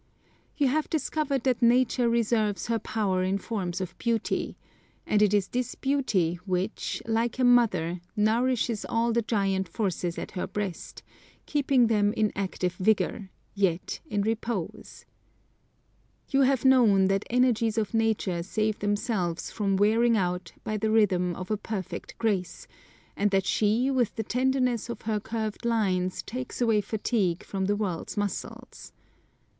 You have discovered that nature reserves her power in forms of beauty; and it is this beauty which, like a mother, nourishes all the giant forces at her breast, keeping them in active vigour, yet in repose. You have known that energies of nature save themselves from wearing out by the rhythm of a perfect grace, and that she with the tenderness of her curved lines takes away fatigue from the world's muscles.